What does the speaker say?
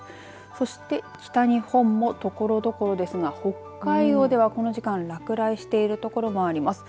そして北日本もところどころですが北海道ではこの時間、落雷している所もあります。